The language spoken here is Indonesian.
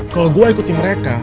kalo gue ikutin mereka